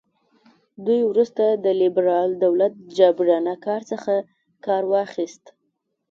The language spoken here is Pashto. دوی وروسته د لیبرال دولت جابرانه ځواک څخه کار واخیست.